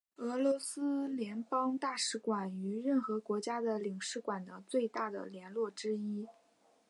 俄罗斯联邦大使馆与任何国家的领事馆的最大的联络之一。